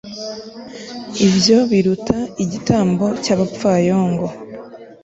ibyo biruta igitambo cy'abapfayongo